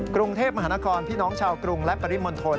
กรุงเทพมหานครพี่น้องชาวกรุงและปริมณฑล